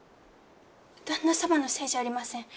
旦那様のせいじゃありません。